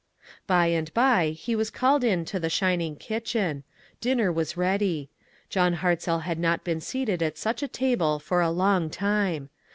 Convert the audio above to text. By and by he was called in to the shin ing kitchen. Dinner was ready. John Hart zell had not been seated at such a table for a long time.